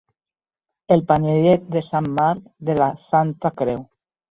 El panellet de Sant Marc, de la Santa Creu.